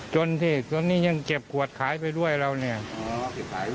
จนที่ตอนนี้ยังเก็บขวดขายไปด้วยเราเนี่ย